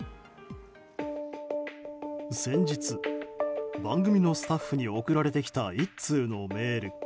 先日、番組のスタッフに送られてきた１通のメール。